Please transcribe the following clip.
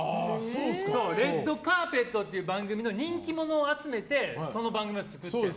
「レッドカーペット」っていう番組の人気者を集めてその番組を作ってる。